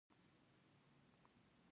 ژبه د تعلیم بنسټ دی.